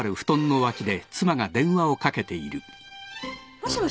もしもし。